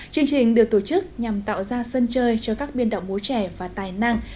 chương trình được tổ chức nhằm tạo ra sân chơi cho các biên đạo múa trẻ và tài năng